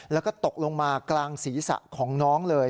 แล้วก็ตกลงมากลางศีรษะของน้องเลย